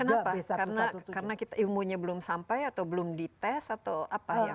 kenapa karena ilmunya belum sampai atau belum dites atau apa yang